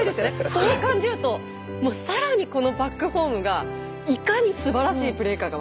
そう感じるともう更にこのバックホームがいかにすばらしいプレーかが分かるんです。